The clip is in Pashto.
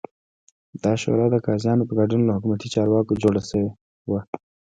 دا شورا د قاضیانو په ګډون له حکومتي چارواکو جوړه شوې وه